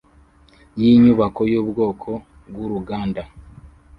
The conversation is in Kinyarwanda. yinyubako yubwoko bwuruganda